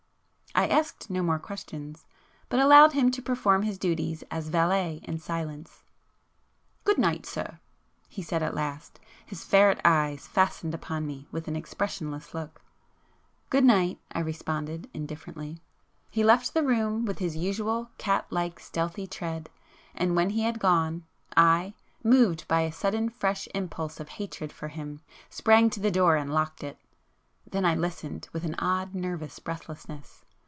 I asked no more questions, but allowed him to perform his duties as valet in silence. "Good night sir!" he said at last, his ferret eyes fastened upon me with an expressionless look. "Good night!" I responded indifferently. He left the room with his usual cat like stealthy tread, and when he had gone, I,—moved by a sudden fresh impulse of hatred for him,—sprang to the door and locked it. Then I listened, with an odd nervous breathlessness.